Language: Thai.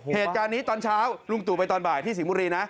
เหตุการณ์นี้ตอนเช้าลุงตู่ไปตอนบ่ายที่สิงห์บุรีนะ